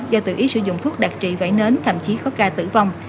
do tự ý sử dụng thuốc đặc trị vẩy nến thậm chí có ca tử vong